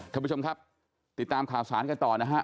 ท่านผู้ชมครับติดตามข่าวสารกันต่อนะฮะ